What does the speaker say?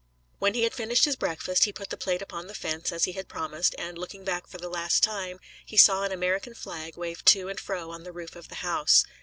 When he had finished his breakfast he put the plate upon the fence as he had promised, and, looking back for the last time, he saw an American flag wave to and fro on the roof of the house.